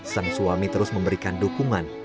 sang suami terus memberikan dukungan